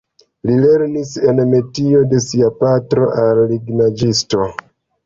Li lernis en metio de sia patro al lignaĵisto.